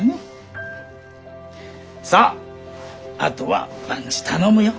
さああとは万事頼むよ。